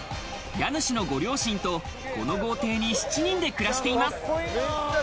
家主のご両親とこの豪邸に７人で暮らしています。